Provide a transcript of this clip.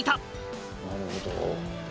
なるほど。